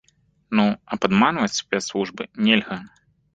Ну, а падманваць спецслужбы нельга!